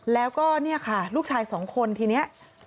แล้วก็เนี่ยค่ะลูกชายสองคนทีนี้